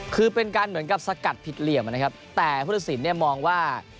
คือเป็นการเหมือนกับสกัดผิดเหลี่ยมนะครับแต่พุทธศิลป์เนี่ยมองว่า